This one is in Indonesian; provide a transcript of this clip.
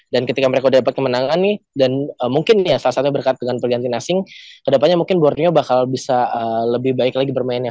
dan ketika mereka sudah dapat kemenangan nih dan mungkin salah satunya berkat dengan pergantian asing ke depannya mungkin borneo bakal bisa lebih baik lagi bermainnya